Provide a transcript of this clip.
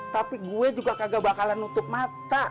tapi gue juga kagak bakalan nutup mata